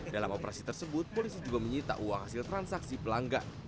dalam operasi tersebut polisi juga menyita uang hasil transaksi pelanggan